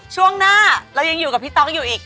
ช่วงหน้าเรายังอยู่กับพี่ต๊อกอยู่อีก